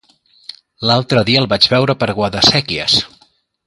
L'altre dia el vaig veure per Guadasséquies.